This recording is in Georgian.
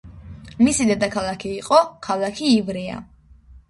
მისი დედაქალაქი იყო ქალაქი ივრეა.